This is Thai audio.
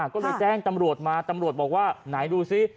ก็เลยแจ้งตำรวจมาตำรวจบอกว่าไหนดูซิ